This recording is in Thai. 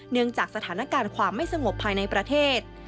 จากสถานการณ์ความไม่สงบภายในประเทศ